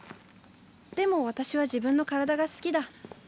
でも私は自分の体が好きだ。